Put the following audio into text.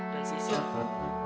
dan sisil pun